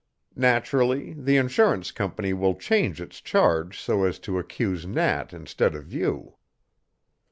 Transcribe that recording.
Naturally the insurance company will change its charge so as to accuse Nat instead of you.